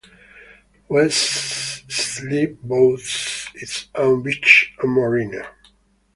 West Islip boasts its own beach and marina.